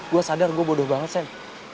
gue sadar gue bodoh banget sam